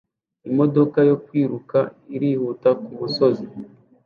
Imodoka yo kwiruka irihuta kumusozi